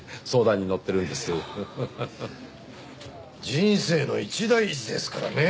人生の一大事ですからねえ。